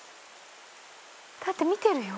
だって見てるよ。